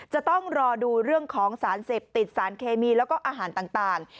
จะต้องรอดูเรื่องของสารเสพติดสารเคมีแล้วก็อาหารต่าง